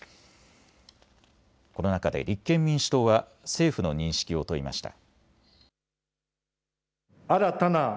この中で立憲民主党は政府の認識を問いました。